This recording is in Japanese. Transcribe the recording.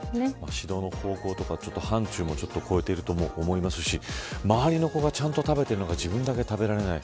指導の方向とか範ちゅうも超えていると思いますし周りの子がちゃんと食べているのに自分だけ食べられない。